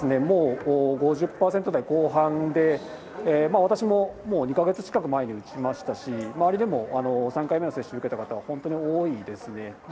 もう５０％台後半で、私ももう２か月近く前に打ちましたし、周りでも３回目の接種を受けた方、本当に多いですね。